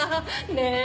ねえ？